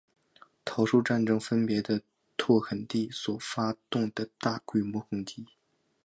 桃树战争分布的拓垦地所发动的大规模攻击。